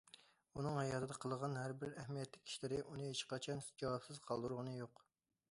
ئۇنىڭ ھاياتىدا قىلغان ھەر بىر ئەھمىيەتلىك ئىشلىرى ئۇنى ھېچقاچان جاۋابسىز قالدۇرغىنى يوق.